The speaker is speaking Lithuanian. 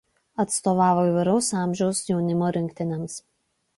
Atstovavo įvairaus amžiaus jaunimo rinktinėms.